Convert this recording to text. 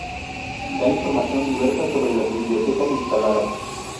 Da información diversa sobre las bibliotecas instaladas.